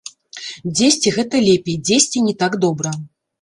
Дзесьці гэта лепей, дзесьці не так добра.